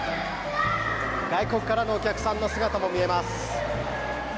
外国からのお客さんの姿も見えます。